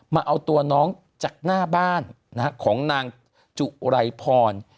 มาเอาตัวน้องจากหน้าบ้านของนางจุไรพร